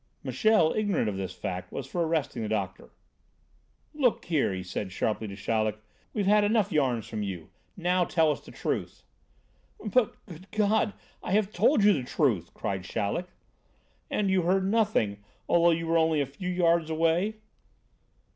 Michel, ignorant of this fact, was for arresting the doctor. "Look here," he said sharply to Chaleck, "we've had enough yarns from you; now tell us the truth." "But, good God! I have told you the truth!" cried Chaleck. "And you heard nothing, although you were only a few yards away?"